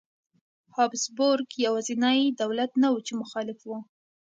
هابسبورګ یوازینی دولت نه و چې مخالف و.